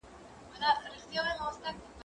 زه بايد سپينکۍ پرېولم!.